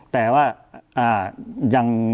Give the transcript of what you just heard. แต่ว่ายัง